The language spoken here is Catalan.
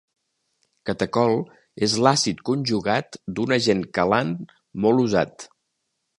Catecol és l'àcid conjugat d'un agent quelant molt usat.